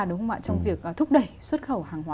trong việc thúc đẩy xuất khẩu hàng hóa